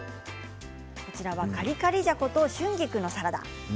カリカリじゃこと春菊のサラダ。